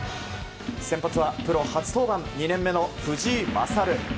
先発はプロ初登板２年目の藤井聖。